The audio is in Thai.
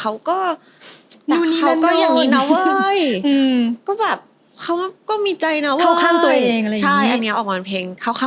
ว่าแบบเออแต่เขาก็